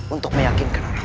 untuk meyakinkan orang orang